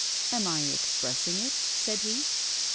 'Am I expressing it?' said he.